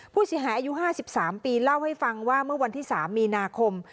ผู้เสียหายอายุ๕๓ปีเล่าให้ฟังว่าเมื่อวันที่๓มีนาคม